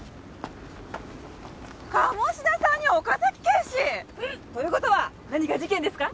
鴨志田さんに岡崎警視！という事は何か事件ですか？